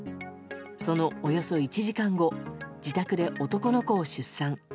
そのおよそ１時間後自宅で男の子を出産。